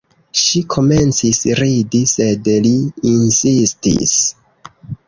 Ŝi komencis ridi, sed li insistis.